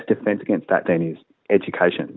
seperti itu lebih dari mungkin